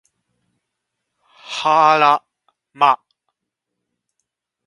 はあら、ま